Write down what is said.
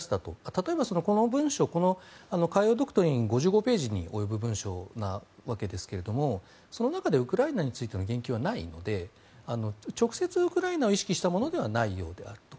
例えばこの文書この海洋ドクトリン５５ページに及ぶ文書のわけですがその中でウクライナについての言及はないので直接ウクライナを意識したものではないようであると。